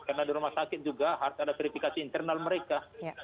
karena di rumah sakit juga harus ada verifikasi internal mereka